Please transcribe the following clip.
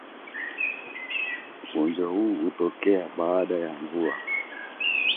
Ugonjwa huu hutokea baada ya mvua